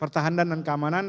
pertahanan dan keamanan